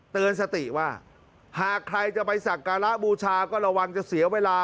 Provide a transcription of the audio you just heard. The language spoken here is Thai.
เตือนสติว่าหากใครจะไปสักการะบูชาก็ระวังจะเสียเวลา